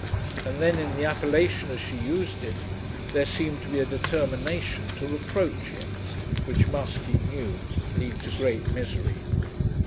And then in the appellation as she used it there seemed to be a determination to reproach him which must, he knew, lead to great misery.